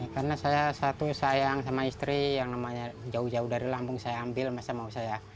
karena saya satu sayang sama istri yang namanya jauh jauh dari lambung saya ambil masa mau saya